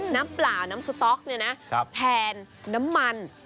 เปล่าน้ำสต๊อกเนี่ยนะแทนน้ำมัน